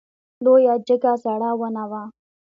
لویه جګه زړه ونه وه .